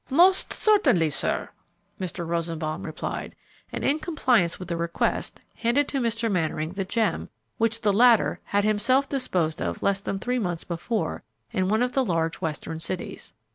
"Most certainly, sir," Mr. Rosenbaum replied, and, in compliance with the request, handed to Mr. Mannering the gem which the latter had himself disposed of less than three months before in one of the large Western cities.